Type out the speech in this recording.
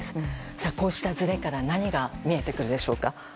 さあ、こうしたずれから何が見えてくるでしょうか。